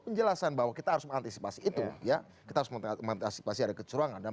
penjelasan bahwa kita harus mengantisipasi itu ya kita harus mengantisipasi ada kecurangan dan